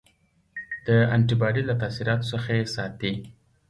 د انټي باډي له تاثیراتو څخه یې ساتي.